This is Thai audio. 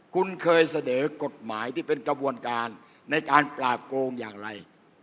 คุณเคยเสนอกฎหมายที่เป็นกระบวนการในการปราบโกงอย่างไร